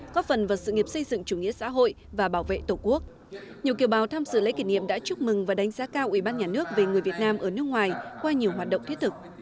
có phần vào sự nghiệp xây dựng chủ nghĩa xã hội và bảo vệ tổ quốc